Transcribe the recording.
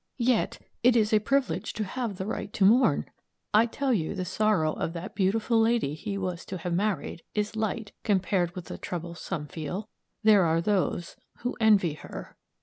"Yet, it is a privilege to have the right to mourn. I tell you the sorrow of that beautiful lady he was to have married is light compared with trouble that some feel. There are those who envy her."